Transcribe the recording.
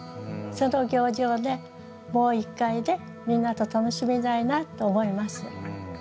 その行事をねもう一回ねみんなと楽しみたいなと思います。